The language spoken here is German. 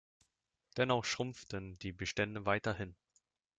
Dennoch schrumpften die Bestände weiterhin.